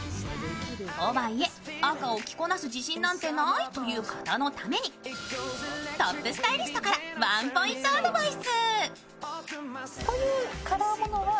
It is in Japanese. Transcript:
とはいえ、赤を着こなす自信なんてないという方のために、トップスタイリストからワンポイントアドバイス。